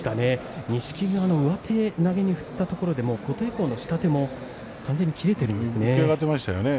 錦木が上手投げで振ったところで琴恵光の下手も完全に切れているんですね。